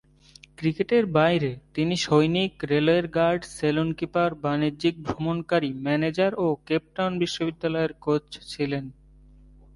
ক্রিকেটের বাইরে তিনি সৈনিক, রেলওয়ের গার্ড, সেলুন কিপার, বাণিজ্যিক ভ্রমণকারী, ম্যানেজার ও কেপ টাউন বিশ্ববিদ্যালয়ের কোচ ছিলেন।